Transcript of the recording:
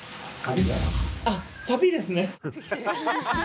あっサビですね。